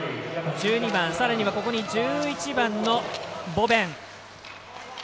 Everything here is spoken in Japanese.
１２番さらには１１番のボベン。